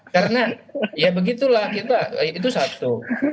karena ya begitulah kita itu satu